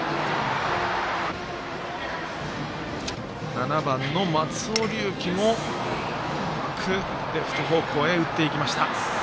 ７番の松尾龍樹もうまくレフト方向へ打っていきました。